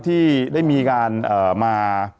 ที่ได้มีการมา